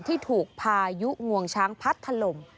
ที่ถูกพายุงวงช้างพัดถล่ม